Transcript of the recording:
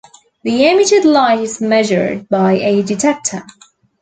The emitted light is measured by a detector.